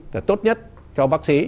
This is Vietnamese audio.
là tốt nhất cho bác sĩ